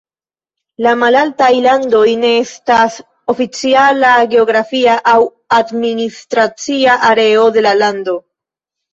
La Malaltaj Landoj ne estas oficiala geografia aŭ administracia areo de la lando.